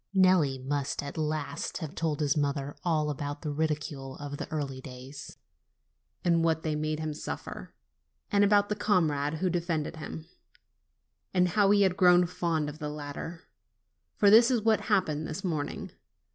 Nelli must at last have told his mother all about the ridicule of the early days, and what they made him suffer; and about the comrade who defended him, and how he had grown fond of the latter; for this is what happened this morning.